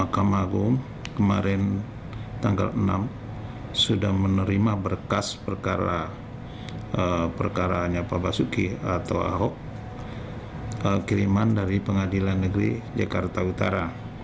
mahkamah agung kemarin tanggal enam sudah menerima berkas perkara perkaranya pak basuki atau ahok kiriman dari pengadilan negeri jakarta utara